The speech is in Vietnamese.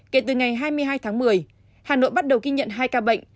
kể từ ngày hai mươi hai tháng một mươi hà nội bắt đầu ghi nhận hai ca bệnh